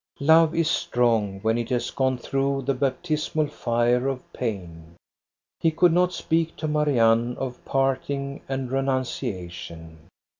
Love is strong when it has gone through the bap tismal fire of pain. He could not speak to Marianne of parting and renunciation.